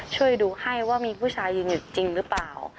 ช่วยดูให้ว่ามีผู้ชายยืนอยู่จริงหรือเปล่า